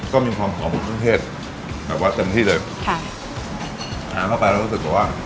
ก็มีความขอบคุณเทศแบบว่าเต็มที่เลยค่ะหาเข้าไปแล้วรู้สึกว่า